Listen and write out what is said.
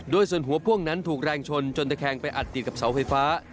โดยส่วนหัวพ่วงนั้นถูกแรงชนจนตะแคงไปอัดติดกับเสาไฟฟ้า